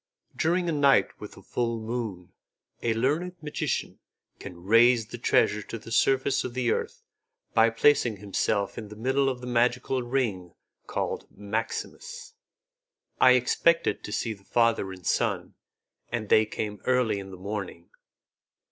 During a night with a full moon, a learned magician can raise the treasure to the surface of the earth by placing himself in the middle of the magical ring called maximus." I expected to see the father and son, and they came early in the morning.